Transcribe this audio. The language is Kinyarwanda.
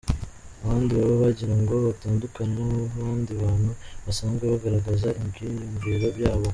Abandi baba bagira ngo batandukane n’abandi bantu basanzwe bagaragaza ibyiyumviro byabo.